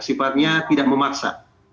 sifatnya tidak memaksa